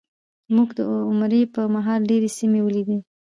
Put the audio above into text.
موږ د عمرې په مهال ډېرې سیمې ولیدې.